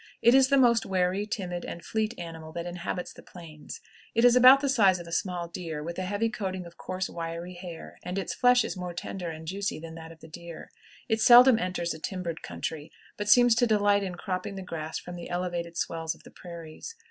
It is the most wary, timid, and fleet animal that inhabits the Plains. It is about the size of a small deer, with a heavy coating of coarse, wiry hair, and its flesh is more tender and juicy than that of the deer. It seldom enters a timbered country, but seems to delight in cropping the grass from the elevated swells of the prairies.